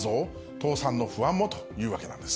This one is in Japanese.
倒産の不安もというわけなんです。